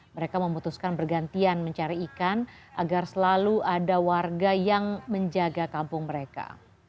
mereka memutuskan bergantian mencari ikan agar selalu ada warga yang menjaga kampung mereka